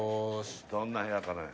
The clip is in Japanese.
どんな部屋かね？